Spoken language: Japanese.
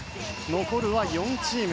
残るは４チーム。